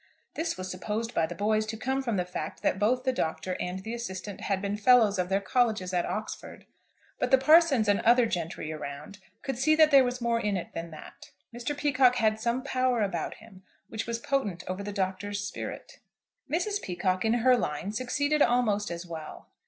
This was supposed by the boys to come from the fact that both the Doctor and the assistant had been Fellows of their colleges at Oxford; but the parsons and other gentry around could see that there was more in it than that. Mr. Peacocke had some power about him which was potent over the Doctor's spirit. Mrs. Peacocke, in her line, succeeded almost as well.